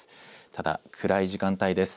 ただ、暗い時間帯です。